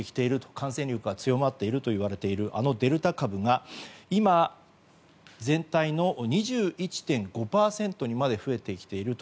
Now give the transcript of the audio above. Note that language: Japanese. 感染力が強まっているといわれているあのデルタ株が今、全体の２１．５％にまで増えてきていると。